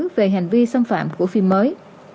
về hành vi xâm phạm của phim mới